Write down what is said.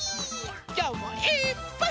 きょうもいっぱい。